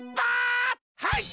はい！